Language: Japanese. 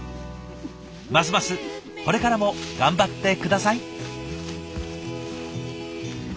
ますますこれからも頑張って下さい。